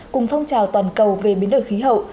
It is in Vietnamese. cùng phong trào toàn cầu về biến đổi khí hậu